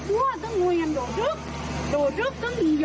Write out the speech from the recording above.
คุณกี้คุณบอกนี้